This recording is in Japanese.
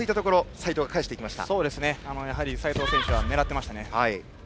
齊藤選手はやはり狙っていましたね。